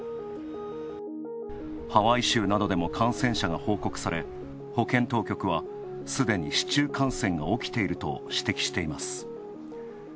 ハワイ州などでも感染者が報告され保健当局はすでに市中感染が起きていると指摘しています。